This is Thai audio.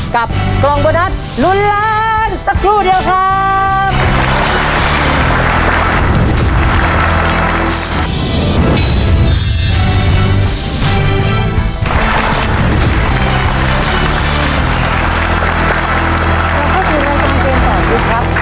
กับกลองบรรดัฐรุนล้านสักครู่เดียวครับ